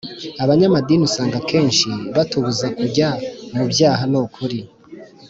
Abanyamadini usanga kenshi batubuza kujya mubyaha nukuri